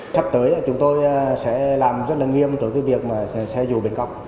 sắp tới là chúng tôi sẽ làm rất là nghiêm trọng cái việc mà xe dù bình cộng